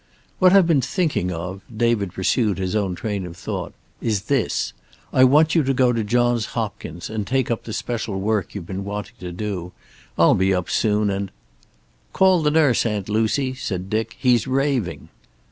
"What I've been thinking of," David pursued his own train of thought, "is this: I want you to go to Johns Hopkins and take up the special work you've been wanting to do. I'll be up soon and " "Call the nurse, Aunt Lucy," said Dick. "He's raving."